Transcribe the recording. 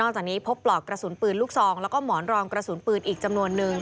นอกจากนี้พบบรอกกระสุนปืนลูก๒และหมอนรองกระสุนปืน๑จำนวน